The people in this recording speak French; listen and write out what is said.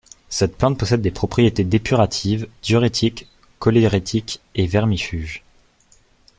Cette plante possède des propriétés dépuratives, diurétiques, cholérétiques et vermifuges.